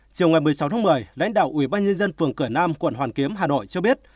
chiều ngày một mươi sáu tháng một mươi lãnh đạo ubnd phường cửa nam quận hoàn kiếm hà nội cho biết